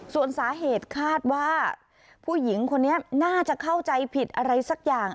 ส่วนสาเหตุคาดว่าผู้หญิงคนนี้น่าจะเข้าใจผิดอะไรสักอย่าง